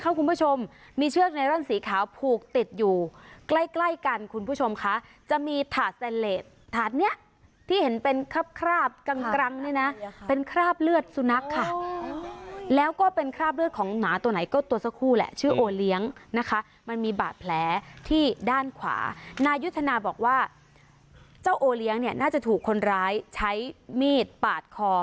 คุณผู้ชมมีเชือกไนร่อนสีขาวผูกติดอยู่ใกล้ใกล้กันคุณผู้ชมคะจะมีถาดแซนเลสถาดเนี้ยที่เห็นเป็นคราบคราบกลางเนี่ยนะเป็นคราบเลือดสุนัขค่ะแล้วก็เป็นคราบเลือดของหมาตัวไหนก็ตัวสักคู่แหละชื่อโอเลี้ยงนะคะมันมีบาดแผลที่ด้านขวานายุทธนาบอกว่าเจ้าโอเลี้ยงเนี่ยน่าจะถูกคนร้ายใช้มีดปาดคอ